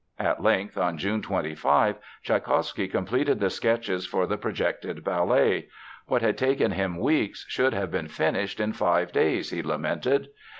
At length, on June 25, Tschaikowsky completed the sketches for the projected ballet. What had taken him weeks should have been finished in five days, he lamented.